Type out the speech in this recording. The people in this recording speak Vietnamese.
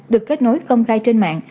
được kết nối công khai trên mạng